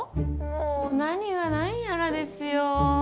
もう何がなんやらですよ。